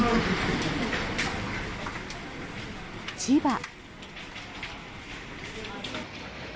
千葉。